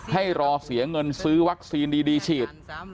ให้รอเสียเงินซื้อวัคซีนดีฉีด